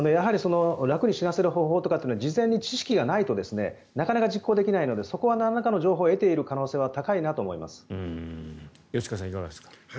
楽に死なせる方法とか事前に知識がないとなかなか実行できないのでそこはなんらかの情報を得ている可能性は吉川さん、いかがですか。